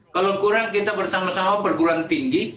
kalau kurang kita bersama sama perguruan tinggi